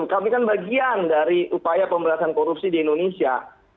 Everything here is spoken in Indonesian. kami kan bagian dari upaya pemberantasan korupsi di indonesia